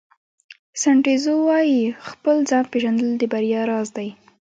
سن ټزو وایي خپل ځان پېژندل د بریا راز دی.